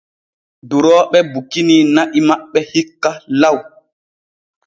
Durooɓe bukini na'i maɓɓe hikka law.